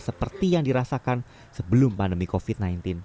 seperti yang dirasakan sebelum pandemi covid sembilan belas